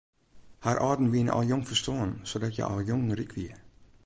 Har âlden wiene al hiel jong stoarn sadat hja al jong ryk wie.